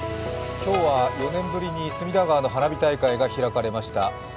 今日は４年ぶりに隅田川の花火大会が開かれました。